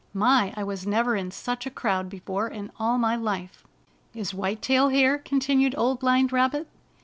" My, I was never in sudi a crowd before in all my life!" "Is White Tail here?" continued Old Blind Rabbit.